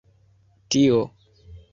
tio